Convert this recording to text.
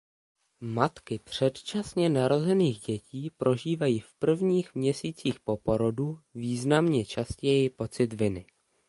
Matky předčasně narozených dětí prožívají v prvních měsících po porodu významně častěji pocit viny.